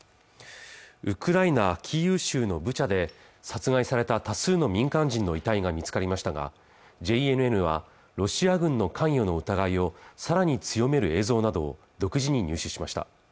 ウクライナキーウ州のブチャで殺害された多数の民間人の遺体が見つかりましたがＪＮＮはロシア軍の関与の疑いをさらに強める映像などを独自に入手しました